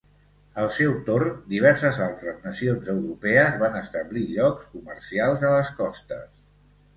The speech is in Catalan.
Al seu torn, diverses altres nacions europees van establir llocs comercials a les costes.